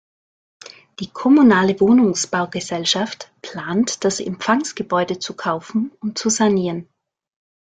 Die kommunale Wohnungsbaugesellschaft plant, das Empfangsgebäude zu kaufen und zu sanieren.